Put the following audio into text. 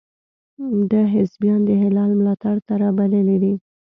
ده حزبیان د هلال ملاتړ ته را بللي دي.